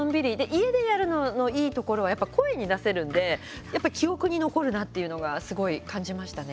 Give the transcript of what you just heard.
家でやるののいいところはやっぱ声に出せるんで記憶に残るなっていうのがすごい感じましたね。